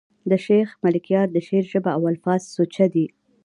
د شېخ ملکیار د شعر ژبه او الفاظ سوچه دي.